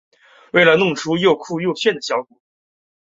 为了弄出又酷又炫的效果